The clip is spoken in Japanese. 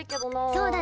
そうだね。